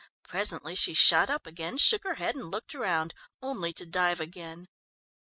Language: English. Presently she shot up again, shook her head and looked round, only to dive again.